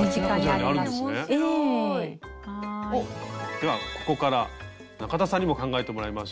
ではここから中田さんにも考えてもらいましょう。